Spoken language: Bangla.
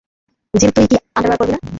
জিল, তুই কি আন্ডারওয়্যার পরবি না?